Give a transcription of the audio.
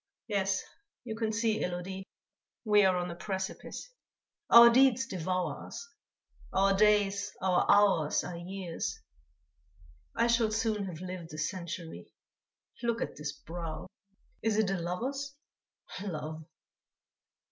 "Yes, you can see, Élodie, we are on a precipice; our deeds devour us. Our days, our hours are years. I shall soon have lived a century. Look at this brow! Is it a lover's? Love!..."